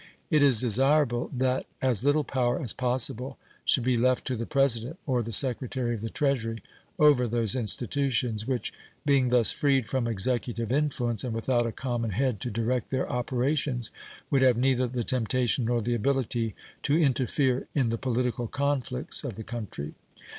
It is desirable that as little power as possible should be left to the President or the Secretary of the Treasury over those institutions, which, being thus freed from Executive influence, and without a common head to direct their operations, would have neither the temptation nor the ability to interfere in the political conflicts of the country.